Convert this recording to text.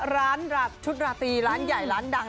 ร้านชุดราตรีร้านใหญ่ร้านดัง